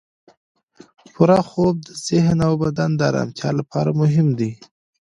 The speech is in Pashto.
پوره خوب د ذهن او بدن د ارامتیا لپاره مهم دی.